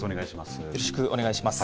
よろしくお願いします。